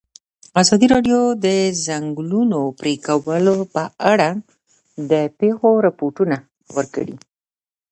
ازادي راډیو د د ځنګلونو پرېکول په اړه د پېښو رپوټونه ورکړي.